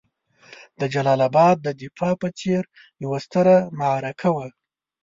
د جلال اباد د دفاع په څېر یوه ستره معرکه وه.